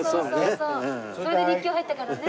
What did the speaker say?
それで立教入ったからね。